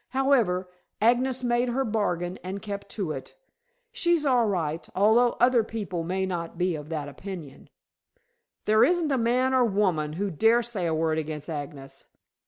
However, Agnes made her bargain and kept to it. She's all right, although other people may be not of that opinion." "There isn't a man or woman who dare say a word against Agnes."